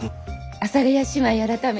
阿佐ヶ谷姉妹改め。